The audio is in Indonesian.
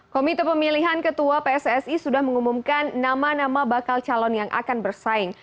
komite pemilihan ketua pssi sudah mengumumkan nama nama bakal calon yang akan bersaing